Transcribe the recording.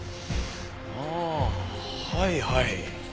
ああはいはい。